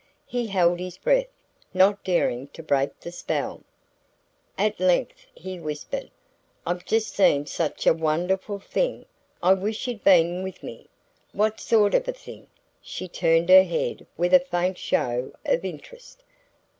He held his breath, not daring to break the spell. At length he whispered: "I've just seen such a wonderful thing I wish you'd been with me!" "What sort of a thing?" She turned her head with a faint show of interest.